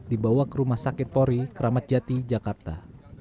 dibawa ke rumah sakit pori kramatjati jakarta